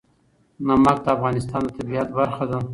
نمک د افغانستان د طبیعت برخه ده.